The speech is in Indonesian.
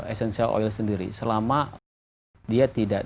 essential oil sendiri selama dia tidak